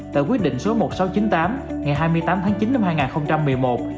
số một nghìn sáu trăm chín mươi tám ngày hai mươi tám tháng chín năm hai nghìn một mươi một